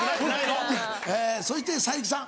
そして才木さん。